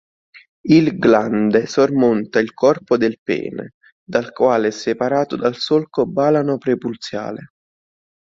Il glande sormonta il corpo del pene, dal quale è separato dal solco balano-prepuziale.